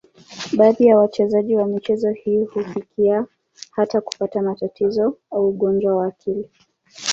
Baadhi ya wachezaji wa michezo hii hufikia hata kupata matatizo au ugonjwa wa akili.